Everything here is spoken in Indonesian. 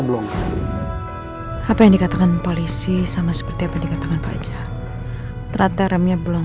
belum apa yang dikatakan polisi sama seperti apa dikatakan pajak rata rata belum